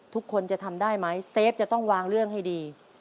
ทุกคนจะทำได้ไหมเซฟจะต้องวางเรื่องให้ดี